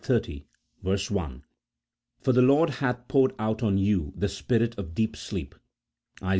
1 ;" For the Lord hath poured out on you the spirit of deep sleep," Is.